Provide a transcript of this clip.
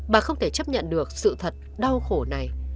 bà không thể chấp nhận được sự thật đau khổ này